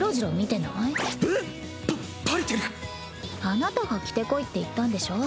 あなたが着てこいって言ったんでしょ？